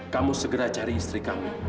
kamu segera cari istri kami